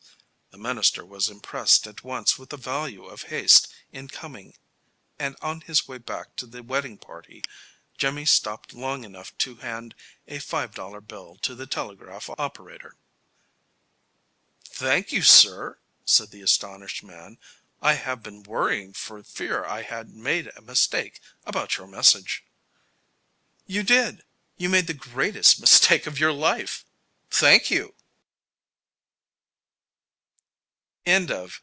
The minister was impressed at once with the value of haste in coming, and on his way back to the wedding party Jimmy stopped long enough to hand a five dollar bill to the telegraph operator. "Thank you, sir," said the astonished man. "I have been worrying for fear I had made a mistake about your message." "You did. You made the greatest mistake of your life. Thank you!"